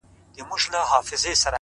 • خان هم توره چلول هم توپکونه ,